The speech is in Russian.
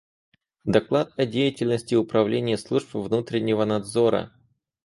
Доклад о деятельности Управления служб внутреннего надзора.